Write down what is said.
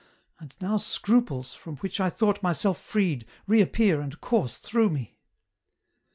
And now scruples, from which I thought myself freed, reappear and course through me."